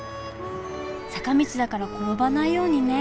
坂道だから転ばないようにね。